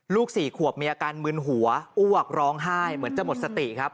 ลูก๔ขวบมีอาการมืนหัวอวกร้องไห้เหมือนจะหมดสติ